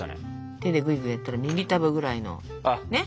手でグイグイやったら耳たぶぐらいのねっ。